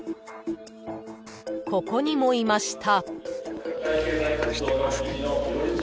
［ここにもいました］